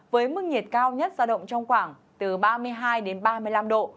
với mức nhiệt cao nhất giao động trong khoảng từ ba mươi hai đến ba mươi năm độ